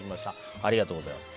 ありがとうございます。